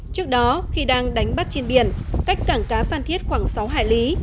trước đó khi đang đánh bắt trên biển cách cảng cá phan thiết khoảng sáu hải lý